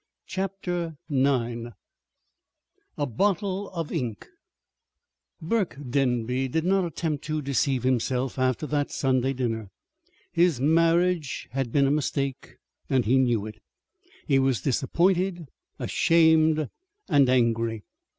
CHAPTER IX A BOTTLE OF INK Burke Denby did not attempt to deceive himself after that Sunday dinner. His marriage had been a mistake, and he knew it. He was disappointed, ashamed, and angry.